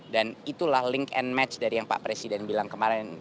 dan itulah link and match dari yang pak presiden bilang kemarin